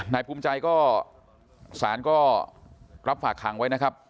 นายภูมิใจก็สารก็รับฝากขังไว้นะครับ